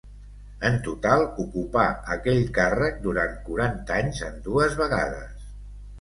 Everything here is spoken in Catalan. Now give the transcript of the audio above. En total ocupà aquell càrrec durant quaranta anys en dues vegades.